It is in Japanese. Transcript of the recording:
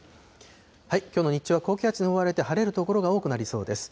きょうの日中は高気圧に覆われて、晴れる所が多くなりそうです。